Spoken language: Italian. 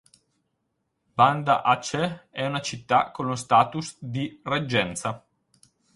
Banda Aceh è una città con lo status di reggenza.